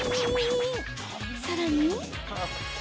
さらに。